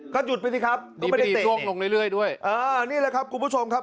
ก็หยุดไปสิครับก็ไม่ได้เตะเนี่ยอ่านี่แหละครับคุณผู้ชมครับ